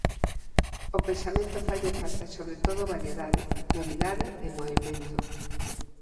ó pensamento faille falta sobre todo variedade, novidade e movemento.